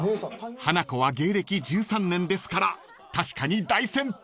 ［ハナコは芸歴１３年ですから確かに大先輩］